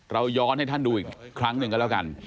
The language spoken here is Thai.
ย้อนให้ท่านดูอีกครั้งหนึ่งก็แล้วกัน